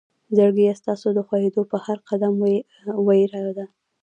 زړګيه ستا د خوئيدو په هر قدم وئيره ده